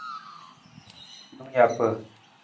Nung japa.